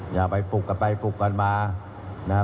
อย่าไปปลุกกันไปปลุกกันมานะครับ